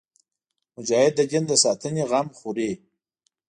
مجاهد د دین د ساتنې غم خوري.